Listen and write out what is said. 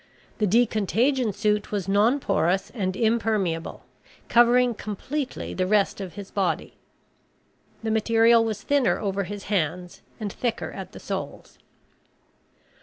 The decontagion suit was non porous and impermeable, covering completely the rest of his body. The material was thinner over his hands and thicker at the soles.